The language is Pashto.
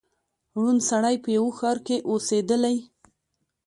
ړوند سړی په یوه ښار کي اوسېدلی